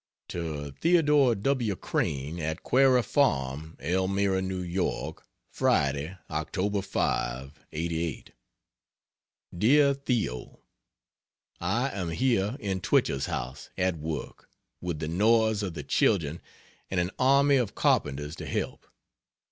To Theodore W. Crane, at Quarry Farm, Elmira, N. Y. Friday, Oct.,5, '88. DEAR THEO, I am here in Twichell's house at work, with the noise of the children and an army of carpenters to help.